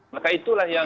maka itulah yang